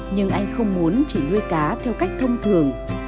nhưng anh không muốn chỉ nuôi cá theo cách thông thường